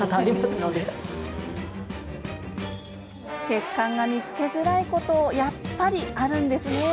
血管が見つけづらいことやっぱりあるんですね。